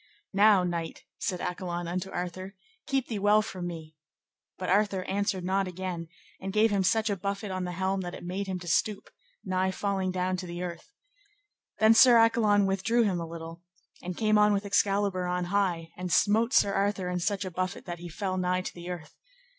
Now, knight, said Accolon unto Arthur, keep thee well from me; but Arthur answered not again, and gave him such a buffet on the helm that it made him to stoop, nigh falling down to the earth. Then Sir Accolon withdrew him a little, and came on with Excalibur on high, and smote Sir Arthur such a buffet that he fell nigh to the earth.